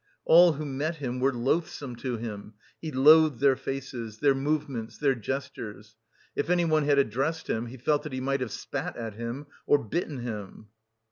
All who met him were loathsome to him he loathed their faces, their movements, their gestures. If anyone had addressed him, he felt that he might have spat at him or bitten him....